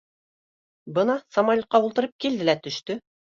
Бына, самолетҡа ултырып, килде лә төштө